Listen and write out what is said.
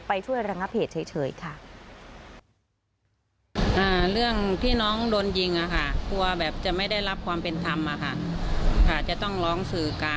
ช่วยระงับเหตุเฉยค่ะ